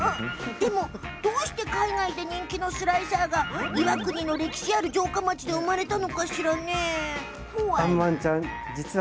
でも、どうして海外で人気のスライサーが岩国の歴史ある城下町で生まれたのかしら？